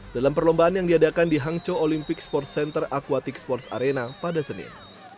dalam perlombaan yang diadakan di hangzhou olympic sports center aquatic sports arena pada senin